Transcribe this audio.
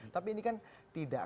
tapi ini kan tidak